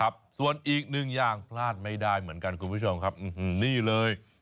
ครับส่วนอีกหนึ่งอย่างพลาดไม่ได้เหมือนกันคุณผู้ชมครับนี่เลย